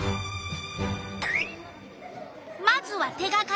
まずは手がかりさがし。